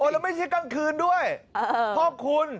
แล้วไม่ใช่กลางคืนด้วยพ่อคุณ